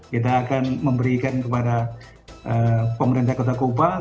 kita akan memberikan kepada pemerintah kota kupang